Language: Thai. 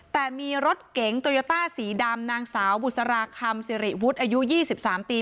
แต่มีรถเก๋งโตโยต้าสีดำนางสาวบุษราคำสิริวุฒิอายุ๒๓ปี